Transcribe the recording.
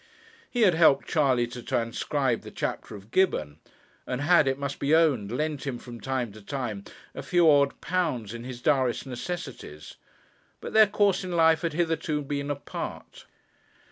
He had helped Charley to transcribe the chapter of Gibbon, and had, it must be owned, lent him from time to time a few odd pounds in his direst necessities. But their course in life had hitherto been apart.